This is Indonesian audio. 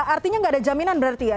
artinya nggak ada jaminan berarti ya